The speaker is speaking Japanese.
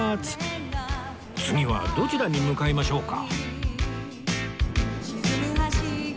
次はどちらに向かいましょうか